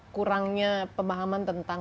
kurangnya pemahaman tentang